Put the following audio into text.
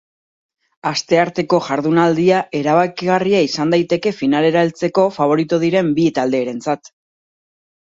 Astearteko jardunaldia erabakigarria izan daiteke finalera heltzeko faborito diren bi talderentzat.